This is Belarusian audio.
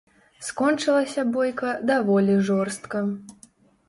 Скончылася бойка даволі жорстка.